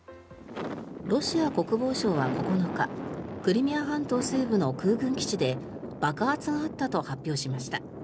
ロシア国防省は９日クリミア半島西部の空軍基地で爆発があったと発表しました。